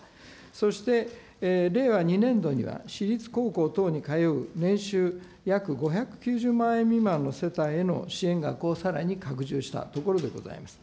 そして令和２年度には私立高校等に通う年収約５９０万円未満の世帯への支援額をさらに拡充したところでございます。